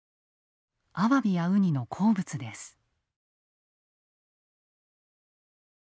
アワビやウニの好物です。